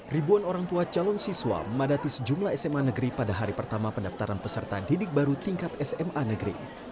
ribuan orang tua calon siswa memadati sejumlah sma negeri pada hari pertama pendaftaran peserta didik baru tingkat sma negeri